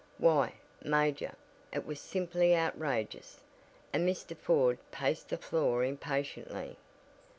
Why, Major, it was simply outrageous," and Mr. Ford paced the floor impatiently.